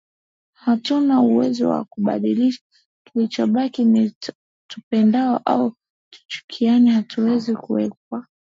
Hatuna uwezo wa kulibadilisha kilichobaki ni tupendane au tuchukiane hatuwezi kukwepa